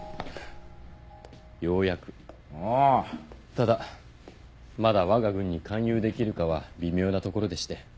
ただまだわが軍に勧誘できるかは微妙なところでして。